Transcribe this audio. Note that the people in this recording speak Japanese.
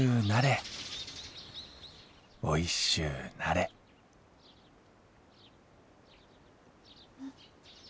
おいしゅうなれん！